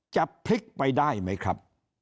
จะพลิกไปได้ไหมครับ